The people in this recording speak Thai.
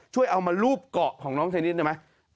ช่วยเอามารูปเกาะของน้องเทนนิสได้ไหม